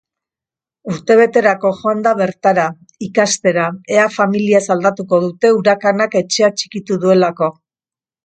Urtebeterako joan da bertara ikastera ea familiaz aldatuko dute urakanak etxea txikitu duelako.